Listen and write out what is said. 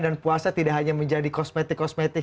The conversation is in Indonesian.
dan puasa tidak hanya menjadi kosmetik kosmetik